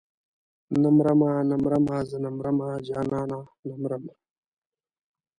نه مرمه نه مرمه زه نه مرمه جانانه نه مرم.